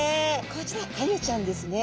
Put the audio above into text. こちらアユちゃんですね。